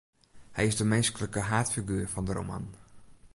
Hy is de minsklike haadfiguer fan de roman.